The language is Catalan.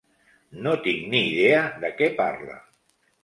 No tinc ni idea de què parla.